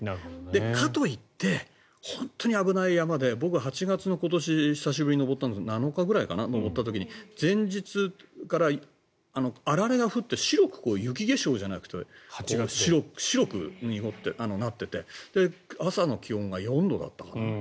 かといって本当に危ない山で僕、今年８月に登ったんですけど７日ぐらいに上った時に前日からあられが降って白く、雪化粧じゃないけど白く濁ってて朝の気温が４度だったかな。